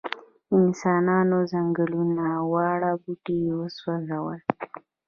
انسانانو ځنګلونه او واړه بوټي وسوځول.